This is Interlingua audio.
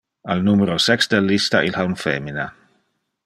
Al numero sex del lista il ha un femina.